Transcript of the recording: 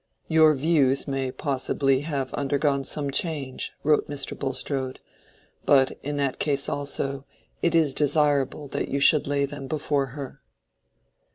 "Your views may possibly have undergone some change," wrote Mr. Bulstrode; "but, in that case also, it is desirable that you should lay them before her."